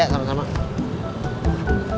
bang kopinya nanti aja ya